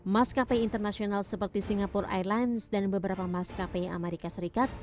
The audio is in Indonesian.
maskapai internasional seperti singapore airlines dan beberapa maskapai amerika serikat